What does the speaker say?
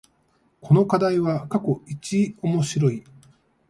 この課題は過去一面白い